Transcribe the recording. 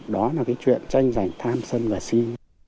đó là cái chuyện tranh giành tham sân và xin